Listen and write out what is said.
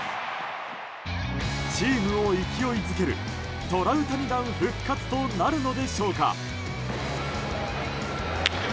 チームを勢いづけるトラウタニ弾復活となるのでしょうか。